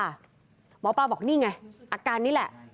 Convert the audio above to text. หมอปลาบอกนี่ไงอาการนี้แหละ